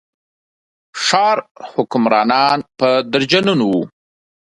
ښار حکمرانان په درجنونو وو.